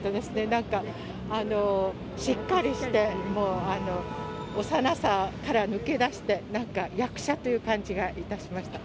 なんか、しっかりして、もう幼さから抜け出して、なんか役者という感じがいたしました。